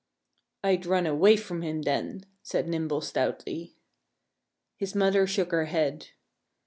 "I'd run away from him then," said Nimble stoutly. His mother shook her head.